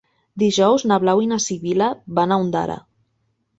Dijous na Blau i na Sibil·la van a Ondara.